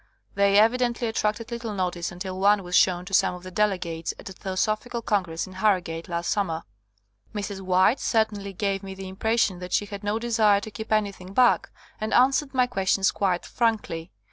They evidently attracted little notice until one was shown to some of the delegates at a Theo sophical Congress in Harrogate last sum mer. Mrs. Wright certainly gave me the im pression that she had no desire to keep any thing back, and answered my questions quite frankly.